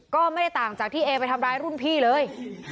ก็ไม่ได้ต่างจากที่เอไปทำร้ายรุ่นพี่เลย